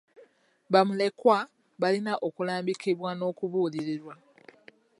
Bamulekwa balina okulambikibwa n'okubuulirirwa.